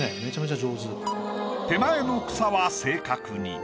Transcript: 手前の草は正確に。